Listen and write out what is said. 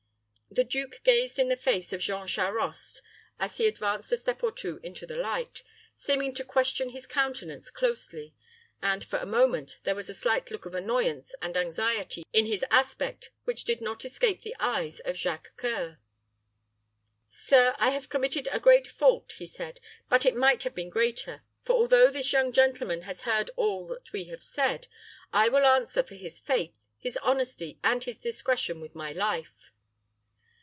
The duke gazed in the face of Jean Charost as he advanced a step or two into the light, seeming to question his countenance closely, and for a moment there was a slight look of annoyance and anxiety in his aspect which did not escape the eyes of Jacques C[oe]ur. "Sir, I have committed a great fault," he said; "but it might have been greater; for, although this young gentleman has heard all that we have said, I will answer for his faith, his honesty, and his discretion with my life."